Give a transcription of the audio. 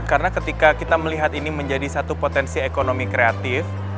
karena ketika kita melihat ini menjadi satu potensi ekonomi kreatif